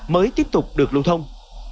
mới tiếp tục được lưu thông